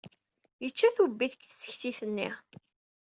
Yečča tubbit seg tsektit-nni.